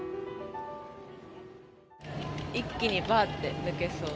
一気にばーって抜けそう。